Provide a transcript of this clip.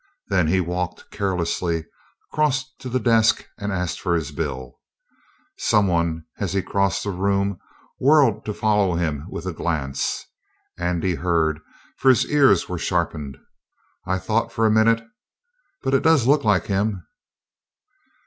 Then he walked carelessly across to the desk and asked for his bill. Someone, as he crossed the room, whirled to follow him with a glance. Andy heard, for his ears were sharpened: "I thought for a minute But it does look like him!"